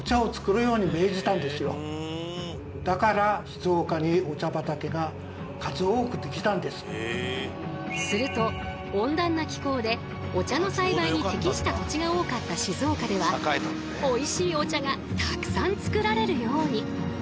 永山先生によれば現在のようにすると温暖な気候でお茶の栽培に適した土地が多かった静岡ではおいしいお茶がたくさん作られるように。